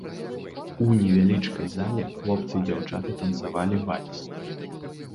У невялічкай зале хлопцы і дзяўчаты танцавалі вальс.